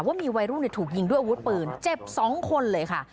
ว่ามีวัยรุ่นถูกยิงด้วยอาวุธปืนเจ็บ๒คนเลยค่ะ